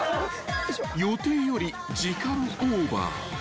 ［予定より時間オーバー］